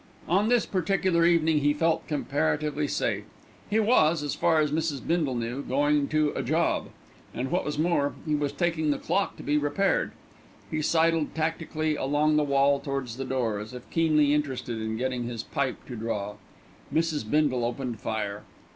On this particular evening he felt comparatively safe. He was, as far as Mrs. Bindle knew, going to "a job," and, what was more, he was taking the clock to be repaired. He sidled tactically along the wall towards the door, as if keenly interested in getting his pipe to draw. Mrs. Bindle opened fire.